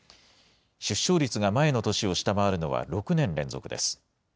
出生率が前の年を下回るのは６年連続です。